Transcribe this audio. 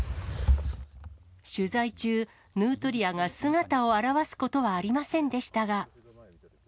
取材中、ヌートリアが姿を現すことはありませんでしたが。